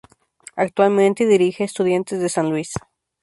Actualmente dirige a Estudiantes de San Luis.